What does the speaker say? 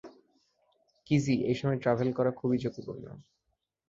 Keiji, এই সময় travel করা খুবই ঝুঁকিপূর্ণ।